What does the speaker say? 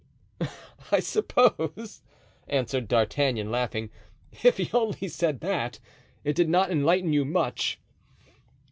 '" "I suppose," answered D'Artagnan, laughing, "if he only said that, it did not enlighten you much."